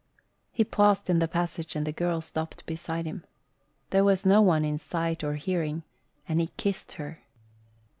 He paused in the passage and the girl stopped beside him. There was no one in sight or hearing, and he kissed her.